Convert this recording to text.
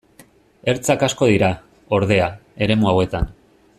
Ertzak asko dira, ordea, eremu hauetan.